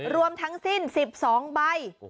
รวมทั้งสิ้น๑๒ใบ